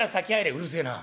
「うるせえな。